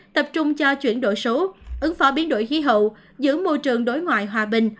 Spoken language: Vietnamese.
tập trung cho chuyển đổi số ứng phó biến đổi khí hậu giữ môi trường đối ngoại hòa bình